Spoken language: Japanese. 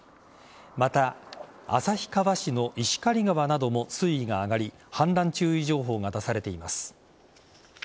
また、旭川市の石狩川なども水位が上がり氾濫注意情報が出されています。